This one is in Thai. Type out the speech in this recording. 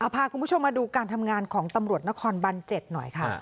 พาคุณผู้ชมมาดูการทำงานของตำรวจนครบัน๗หน่อยค่ะ